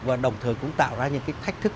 và đồng thời cũng tạo ra những cái thách thức